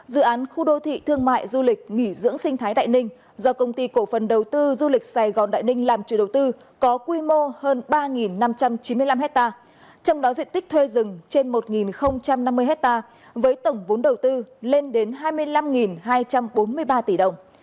dự án khu đô thị thương mại du lịch nghỉ dưỡng sinh thái đại ninh do công ty cổ phần đầu tư du lịch sài gòn đại ninh làm chủ đầu tư có quy mô hơn ba năm trăm chín mươi năm hectare trong đó diện tích thuê rừng trên một năm mươi hectare với tổng vốn đầu tư lên đến hai mươi năm hai trăm bốn mươi ba tỷ đồng